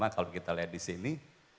kalau kita lihat disini